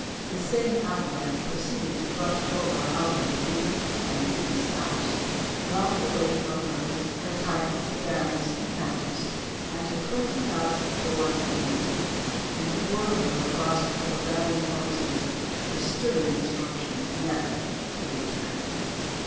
This same av alanche proceeded to brush Lola out of her big and hideous house, to knock away from her her titles of baroness and countess and her twenty thousand florin annuity, and to whirl her across the Bavarian frontier with stern instructions never to return.